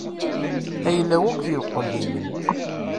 Ayla-w akk yeqqel yinem.